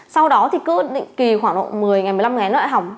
sau đó thì cứ định kỳ khoảng một mươi một mươi năm ngày nữa lại hỏng